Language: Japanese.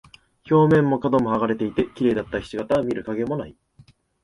表面も角も剥がれていて、綺麗だった菱形は見る影もない。